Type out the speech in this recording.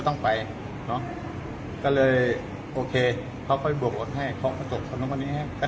เน๊ะก็เลยโอเคเค้าไปบวกรถให้เค้ามาจกคำตอบประณีนะครับ